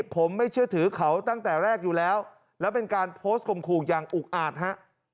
ผมไม่เชื่อถือเขาตั้งแต่แรกอยู่แล้วแล้วเป็นการโพสต์ข่มขู่อย่างอุกอาจฮะ